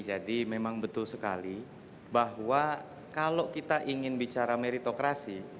jadi memang betul sekali bahwa kalau kita ingin bicara meritokrasi